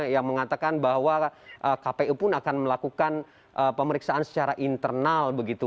yang mengatakan bahwa eh kpi pun akan melakukan eh pemeriksaan secara internal begitu